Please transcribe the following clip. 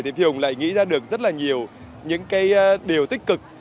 thì hùng lại nghĩ ra được rất là nhiều những cái điều tích cực